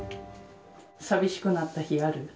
寂しくなった日ある？